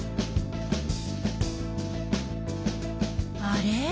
あれ？